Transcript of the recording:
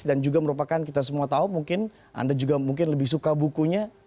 dan juga merupakan kita semua tahu mungkin anda juga mungkin lebih suka bukunya